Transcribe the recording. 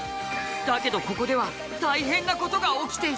だけどここでは大変なことが起きていた！